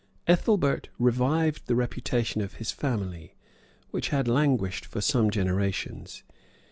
Ethelbert revived the reputation of his family, which had languished for some generations.